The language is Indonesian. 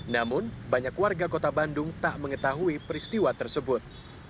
namun banyak warga kota bandung tak mengetahui peristiwa tersebut